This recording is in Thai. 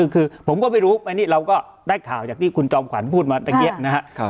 คือผมก็ไม่รู้เราก็ได้ข่าวจากที่คุณจองฝรพูดมาตะเกี๊ยดนะฮะ